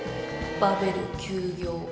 バベル休業。